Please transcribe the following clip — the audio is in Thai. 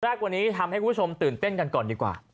แรกวันนี้ทำให้คุณผู้ชมตื่นเต้นกันก่อนดีกว่า